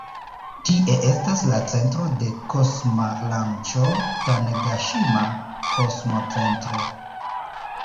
Tie estas la centro de kosma lanĉo Tanegaŝima-Kosmocentro.